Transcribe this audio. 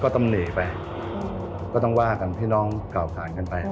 ก็ต้องหนีไปก็ต้องว่ากันพี่น้องกล่าวผ่านเงินไปอืม